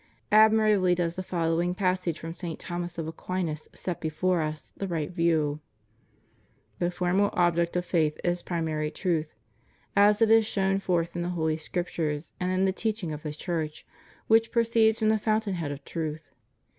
Admirably does the following passage from St. Thomas of Aquin set before us the right view: "The formal object of faith is primary truth, as it is shown forth in the Holy Scriptures, and in the teaching of the Church, which proceeds from the fountain head of truth.